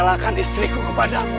untuk merelakan istriku kepada aku